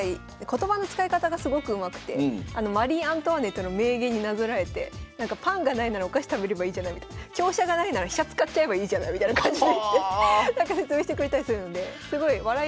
言葉の使い方がすごくうまくてマリー・アントワネットの名言になぞらえて「パンが無いならお菓子食べればいいじゃない」みたいな「香車が無いなら飛車使っちゃえばいいじゃない」みたいな感じで言って説明してくれたりするのですごい笑いながら聞きます。